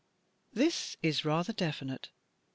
This is rather definite.